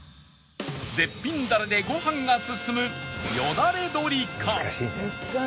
絶品ダレでご飯が進むよだれ鶏か？